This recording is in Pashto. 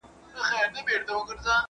په جلات خان پورې اړوندې نارې مې په یاد دي.